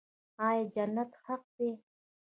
آیا جنت حق دی؟